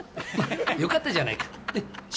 よかったじゃないか。